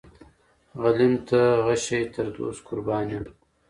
غلیم ته غشی تر دوست قربان یم.